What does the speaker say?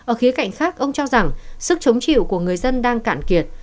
ở khía cạnh khác ông cho rằng sức chống chịu của người dân đang cạn kiệt